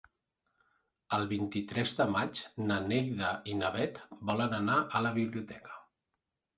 El vint-i-tres de maig na Neida i na Bet volen anar a la biblioteca.